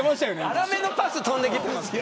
荒めのパス、飛んできてる。